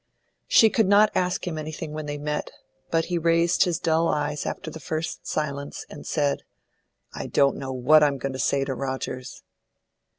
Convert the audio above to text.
She could not ask him anything when they met, but he raised his dull eyes after the first silence, and said, "I don't know what I'm going to say to Rogers."